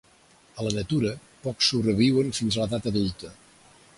A la natura, pocs sobreviuen fins a l'edat adulta.